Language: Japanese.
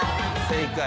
正解。